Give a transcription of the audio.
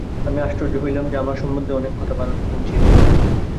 আমি আশ্চর্য হইলাম যে, আমার সম্বন্ধে অনেক কথা ভারতে পৌঁছিয়াছে।